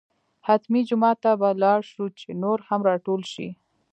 حتمي جومات ته به لاړ شو چې نور هم راټول شي.